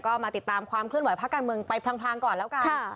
ก็มาติดตามความเคลื่อนไหภาคการเมืองไปพลางก่อนแล้วกัน